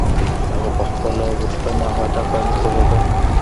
هغه په خپله غوښتنه او هدف باندې پوهېده.